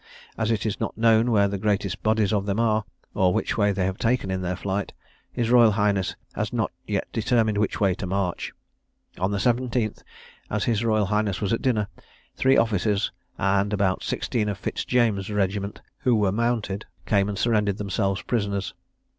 As it is not known where the greatest bodies of them are, or which way they have taken in their flight, his Royal Highness has not yet determined which way to march. On the 17th, as his Royal Highness was at dinner, three officers, and about sixteen of Fitz James's regiment, who were mounted, came and surrendered themselves prisoners.